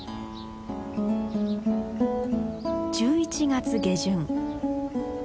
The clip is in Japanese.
１１月下旬。